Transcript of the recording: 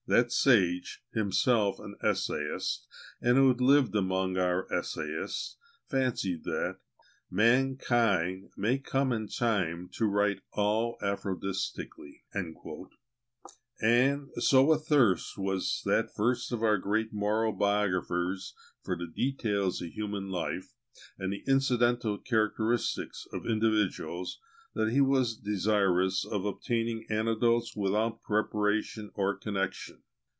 That sage, himself an essayist and who had lived among our essayists, fancied that "mankind may come in time to write all aphoristically;" and so athirst was that first of our great moral biographers for the details of human life and the incidental characteristics of individuals, that he was desirous of obtaining anecdotes without preparation or connexion.